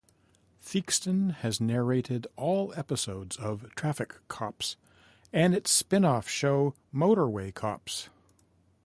Theakston has narrated all episodes of "Traffic Cops" and its spin-off show "Motorway Cops".